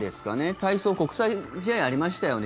体操、国際試合ありましたよね。